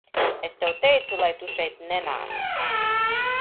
Es tev teicu, lai Tu šeit nenāc!